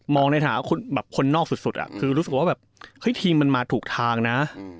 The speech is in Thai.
ในฐานะแบบคนนอกสุดคือรู้สึกว่าแบบเฮ้ยทีมมันมาถูกทางนะ